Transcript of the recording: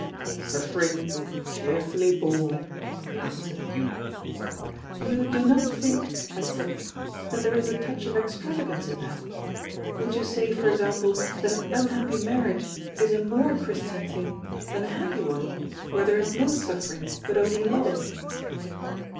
"Suffering cheerfully borne," he answered. "You do not think," I said, "that there is a touch of extravagance in that? Would you say, for example, that an unhappy marriage is a more Christian thing than a happy one, where there is no suffering, but only love?"